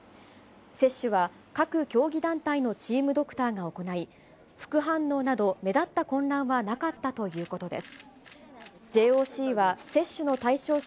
接種は各競技団体のチームドクターが行い、副反応など目立った混乱はなかったということです。